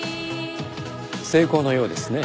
成功のようですね。